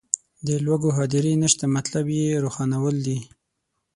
د لوږو هدیرې نشته مطلب یې روښانول دي.